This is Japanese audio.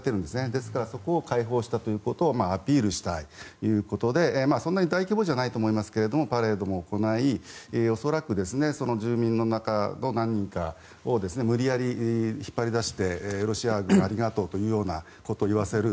ですからそこを解放したということをアピールしたいということでそんなに大規模じゃないと思いますが、パレードも行い恐らく住民の中の何人かを無理やり引っ張り出してロシア軍ありがとうというようなことを言わせる。